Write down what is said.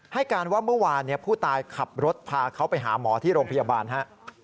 ให้การว่าเมื่อวานผู้ตายขับรถพาเขาไปหาหมอที่โรงพยาบาลฮะ